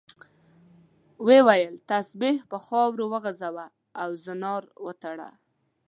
وویل تسبیح په خاورو وغورځوه او زنار وتړه.